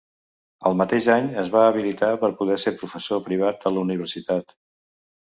El mateix any es va habilitar per poder ser professor privat de la universitat.